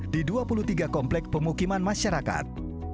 di dua puluh tiga komplek pemukiman masyarakat